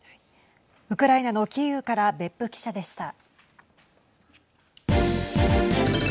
ウクライナのキーウから別府記者でした。